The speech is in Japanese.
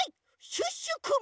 シュッシュくん！